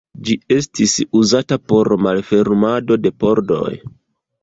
Ĝi estis uzata por malfermado de pordoj.